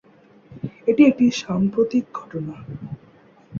এটি একটি সাম্প্রতিক ঘটনা।